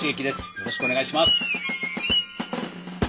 よろしくお願いします。